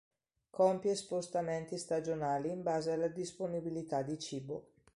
Compie spostamenti stagionali in base alla disponibilità di cibo.